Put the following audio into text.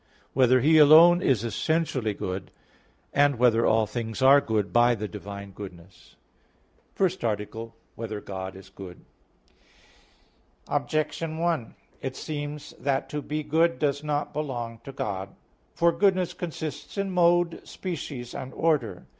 (3) Whether He alone is essentially good? (4) Whether all things are good by the divine goodness? _______________________ FIRST ARTICLE [I, Q. 6, Art. 1] Whether God is good? Objection 1: It seems that to be good does not belong to God. For goodness consists in mode, species and order.